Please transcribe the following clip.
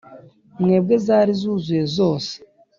mwebwe zari zuzuye zose